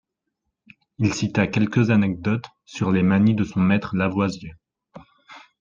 Il cita quelques anecdotes sur les manies de son maître Lavoisier.